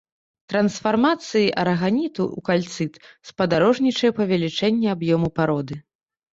Трансфармацыі араганіту ў кальцыт спадарожнічае павелічэнне аб'ёму пароды.